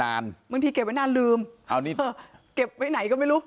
บางทีเก็บไว้นานลืมเก็บไว้ไหนก็ไม่รู้